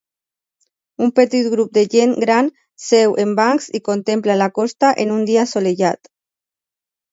Un petit grup de gent gran seu en bancs i contempla la costa en un dia assolellat.